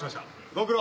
ご苦労。